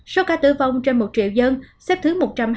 số ca tử vong trên một triệu dân xếp thứ một trăm hai mươi